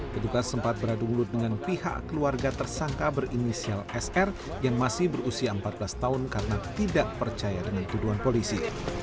petugas sempat beradu mulut dengan pihak keluarga tersangka berinisial sr yang masih berusia empat belas tahun karena tidak percaya dengan tuduhan polisi